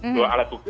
sebuah alat bukti